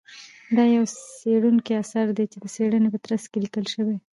دا يو څېړنيز اثر دى چې د څېړنې په ترڅ کې ليکل شوى.